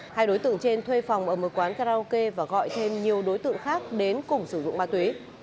hai đối tượng trên thuê phòng ở một quán karaoke và gọi thêm nhiều đối tượng khác đến cùng sử dụng ma túy